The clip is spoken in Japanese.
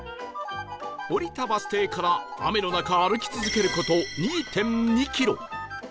降りたバス停から雨の中歩き続ける事 ２．２ キロ